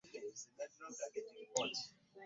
okusoma so kwamuniino emisango zino.